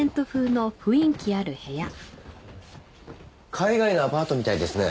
海外のアパートみたいですね。